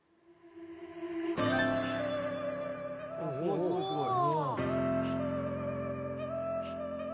すごいすごいすごい！